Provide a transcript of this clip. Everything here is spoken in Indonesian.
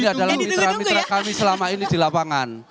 ini adalah mitra mitra kami selama ini di lapangan